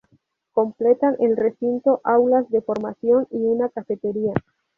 Completan el recinto aulas de formación y una cafetería.